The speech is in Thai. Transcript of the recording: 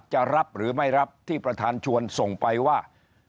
จะรับหรือไม่รับที่ประธานชวนส่งไปว่า